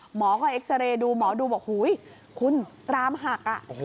หมอก็เอ็กซาเรย์ดูหมอดูบอกคุณกรามหัก